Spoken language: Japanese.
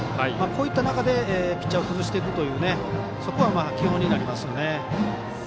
こういった中でピッチャーを崩していくとそこは、基本になりますよね。